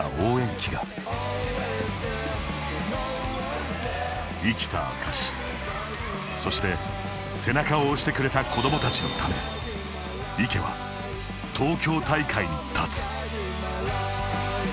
自らの生きた証しそして、背中を押してくれた子どもたちのため池は東京大会に立つ。